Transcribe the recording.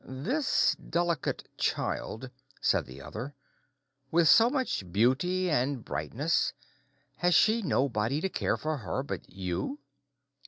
"This delicate child," said the other, "with so much beauty and brightness—has she nobody to care for her but you?"